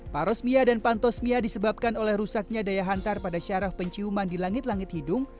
parosmia dan pantosmia disebabkan oleh rusaknya daya hantar pada syarah penciuman di langit langit hidung